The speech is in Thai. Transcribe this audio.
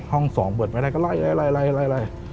ห้อง๒เปิดไม่ได้ก็ไล่